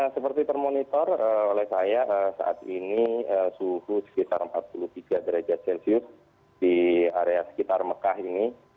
seperti termonitor oleh saya saat ini suhu sekitar empat puluh tiga derajat celcius di area sekitar mekah ini